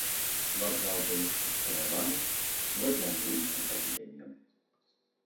Вакзал быў абсталяваны вадзяным ацяпленнем.